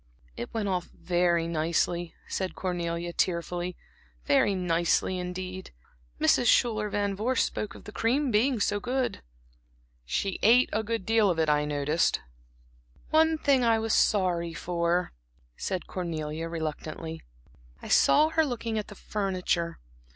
"It went off very nicely," said Cornelia, tearfully, "very nicely indeed. Mrs. Schuyler Van Vorst spoke of the cream being so good." "She ate a good deal of it, I noticed." "One thing I was sorry for," said Cornelia, reluctantly. "I saw her looking at the furniture.